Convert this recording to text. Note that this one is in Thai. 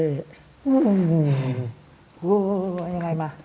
ยังไงมา